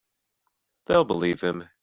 They'll believe him.